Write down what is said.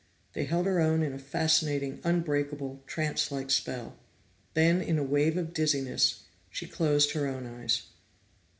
They held her own in a fascinating, unbreakable, trance like spell. Then, in a wave of dizziness, she closed her own eyes.